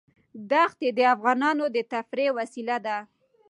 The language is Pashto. دښتې د افغانانو د تفریح وسیله ده.